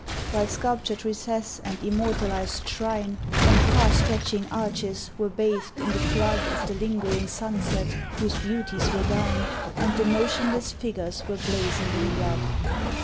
While sculptured recess and immortalized shrine And far stretching arches were bathed in the flood Of the lingering sunset, whose beauties were thine, And the motionless figures were blazoned in blood.